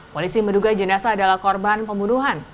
polisi menduga jenazah adalah korban pembunuhan